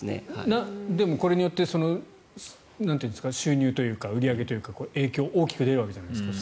でも、これによって収入というか売り上げというか影響が大きく出るわけじゃないですか。